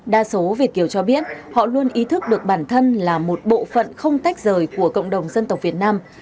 đa số việt kiều cho biết họ luôn ý thức được bản thân là một bộ phận không tách rời của cộng đồng dân tộc việt nam